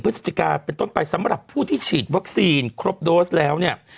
พฤศจิกาเป็นต้นไปสำหรับผู้ที่ฉีดวัคซีนครบโดสแล้วเนี่ย